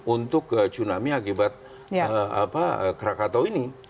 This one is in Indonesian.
untuk tsunami akibat krakatau ini